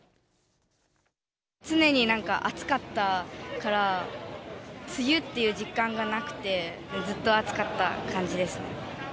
常になんか暑かったから、梅雨っていう実感がなくて、ずっと暑かった感じです。